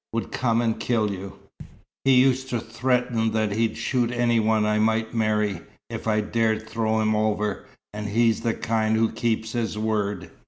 would come and kill you. He used to threaten that he'd shoot any one I might marry, if I dared throw him over; and he's the kind who keeps his word.